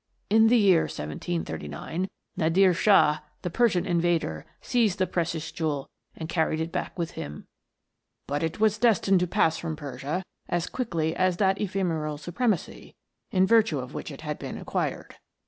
In the year 1739, Nadir Shah, the Persian invader, seized the precious jewel and carried it back with him ; but it was destined to pass from Persia as quickly as that ephemeral supremacy in virtue of which it had been acquired.